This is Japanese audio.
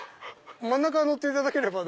真ん中乗っていただければ。